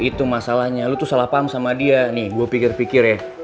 itu masalahnya lu tuh salah paham sama dia nih gue pikir pikir ya